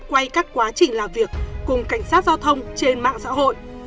quay các quá trình làm việc cùng cảnh sát giao thông trên mạng xã hội